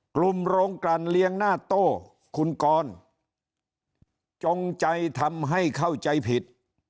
โรงกลั่นเลี้ยงหน้าโต้คุณกรจงใจทำให้เข้าใจผิด